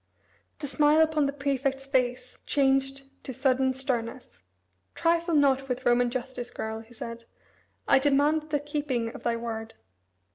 The smile upon the prefect's face changed to sudden sternness. "Trifle not with Roman justice, girl," he said, "I demand the keeping of thy word."